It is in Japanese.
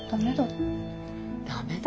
駄目だ。